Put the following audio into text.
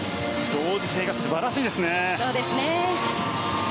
同時性が素晴らしいですね。